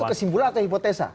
itu kesimpulan atau hipotesa